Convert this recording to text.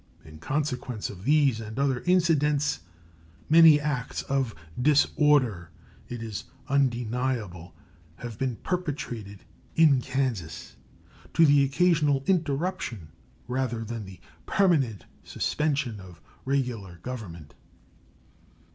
In consequence of these and other incidents, many acts of disorder, it is undeniable, have been perpetrated in Kansas, to the occasional interruption rather than the permanent suspension of regular government.